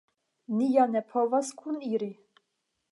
Ni ja ne povas kuniri.